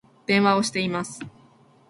電話をしています